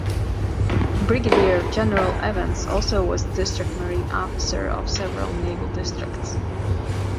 Brigadier General Evans also was District Marine Officer of several Naval Districts.